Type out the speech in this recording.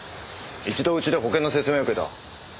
一度うちで保険の説明受けた。